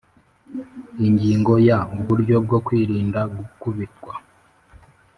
Ingingo ya Uburyo bwo kwirinda gukubitwa